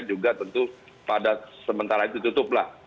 juga tentu pada sementara itu tutuplah